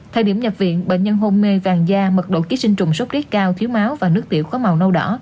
thời điểm nhập viện bệnh nhân hôn mê vàng da mật độ ký sinh trùng sốt rét cao thiếu máu và nước tiểu có màu nâu đỏ